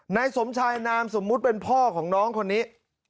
นายสมชายนามสมมุติเป็นพ่อของน้องคนนี้